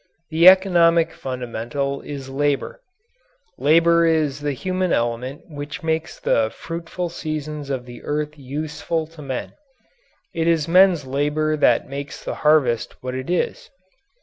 The economic fundamental is labour. Labour is the human element which makes the fruitful seasons of the earth useful to men. It is men's labour that makes the harvest what it is.